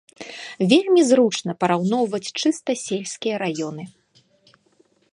Вельмі зручна параўноўваць чыста сельскія раёны.